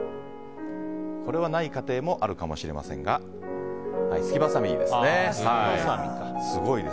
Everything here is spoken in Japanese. これはない家庭もあるかもしれませんがすきばさみですね。